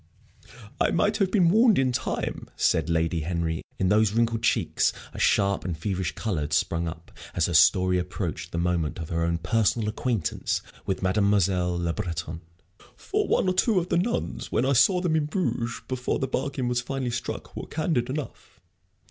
"I might have been warned in time," said Lady Henry, in whose wrinkled cheeks a sharp and feverish color had sprung up as her story approached the moment of her own personal acquaintance with Mademoiselle Le Breton. "For one or two of the nuns when I saw them in Bruges, before the bargain was finally struck, were candid enough.